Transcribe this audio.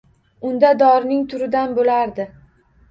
Unda dorining turidan bo`lardi